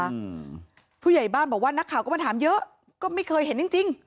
อืมผู้ใหญ่บ้านบอกว่านักข่าวก็มาถามเยอะก็ไม่เคยเห็นจริงจริง